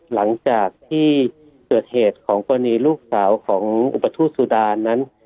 หลังจากที่เกิดเหตุของกรณีลูกสาวของอุปทูตสุดานนั้น